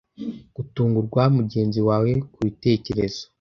gutungurwa mugenzi wawe kubitekerezo